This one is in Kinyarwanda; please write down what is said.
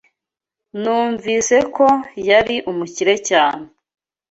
Numvise ko yari umukire cyane.